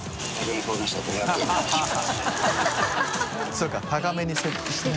そうか高めに設定してね。